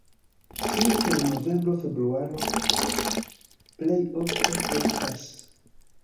Inter novembro-februaro plej ofte frostas.